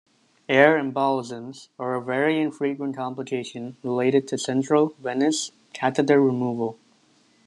Air embolisms are a very infrequent complication related to central venous catheter removal.